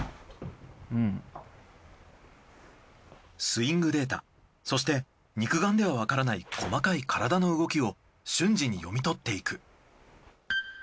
スイングデータそして肉眼ではわからない細かい体の動きを瞬時に読み取っていく。